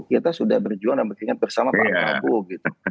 kita sudah berjuang dan beringat bersama pak prabowo gitu